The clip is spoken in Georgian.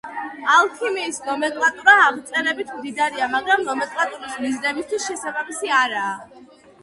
ალქიმიის ნომენკლატურა აღწერებით მდიდარია, მაგრამ ნომენკლატურის მიზნებისთვის შესაბამისი არაა.